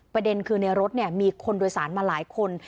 ประเด็นคือในรถมีคนโดยสารมาหลายคน